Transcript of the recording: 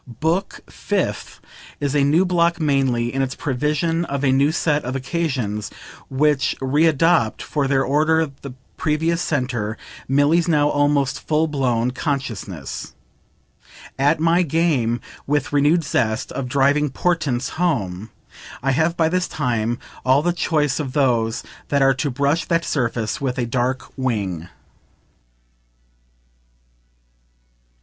Book Fifth is a new block mainly in its provision of a new set of occasions, which readopt, for their order, the previous centre, Milly's now almost full blown consciousness. At my game, with renewed zest, of driving portents home, I have by this time all the choice of those that are to brush that surface with a dark wing.